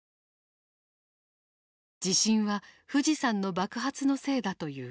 地震は富士山の爆発のせいだといううわさ。